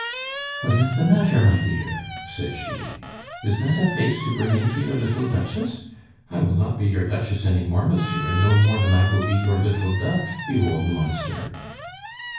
"What is the matter, my dear?" said she. "Is that a face to bring in to your little Duchess? I will not be your Duchess any more, monsieur, no more than I will be your 'little duck,' you old monster."